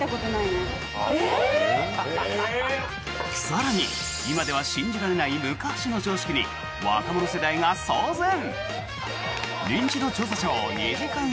更に、今では信じられない昔の常識に、若者世代が騒然。